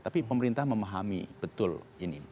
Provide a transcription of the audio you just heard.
tapi pemerintah memahami betul ini